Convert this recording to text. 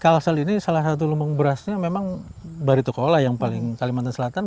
ya memang di kalsel ini salah satu lumung berasnya memang baritokuala yang paling kalimantan selatan